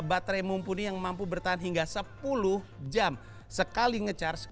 baterai mumpuni yang mampu bertahan hingga sepuluh jam sekali nge charge